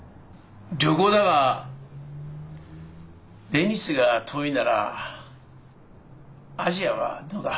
旅行だがベニスが遠いならアジアはどうだ？